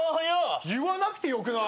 言わなくてよくない？